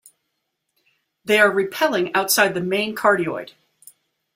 They are repelling outside the main cardioid.